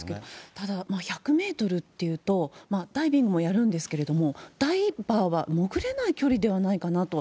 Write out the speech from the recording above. ただ、１００メートルっていうと、ダイビングもやるんですけども、ダイバーは潜れない距離ではないかなと。